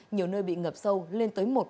nhiều nơi bị ngập sâu lên tới một mét